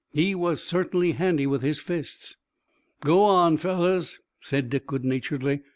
He was certainly handy with his fists." "Go on, fellows," said Dick, good naturedly.